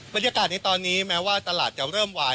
บรรยากาศในตอนนี้แม้ว่าตลาดจะเริ่มวาย